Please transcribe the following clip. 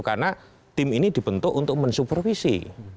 karena tim ini dibentuk untuk mensupervisi